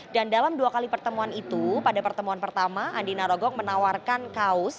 dan dalam dua kali pertemuan itu pada pertemuan pertama andi narogong menawarkan kaos